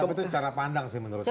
itu cara pandang sih menurut saya